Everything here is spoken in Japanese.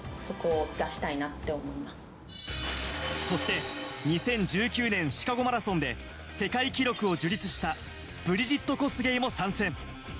そして２０１９年、シカゴマラソンで世界記録を樹立したブリジット・コスゲイも参戦。